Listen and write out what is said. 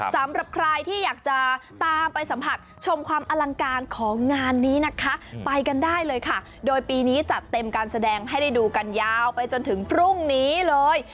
สำหรับใครที่อยากจะตามไปสัมผัสชมความอลังการของงานนี้นะคะไปกันได้เลยค่ะโดยปีนี้จัดเต็มการแสดงให้ได้ดูกันยาวไปจนถึงพรุ่งนี้เลย